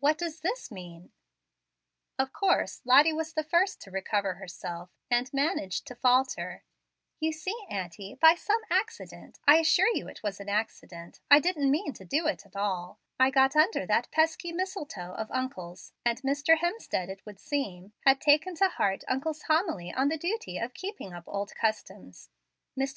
what does this mean?" Of course Lottie was the first to recover herself, and managed to falter: "You see, auntie, by some accident I assure you it was an accident; I didn't mean to do it at all I got under that pesky mistletoe of uncle's, and Mr. Hemstead, it would seem, had taken to heart uncle's homily on the duty of keeping up old customs. Mr.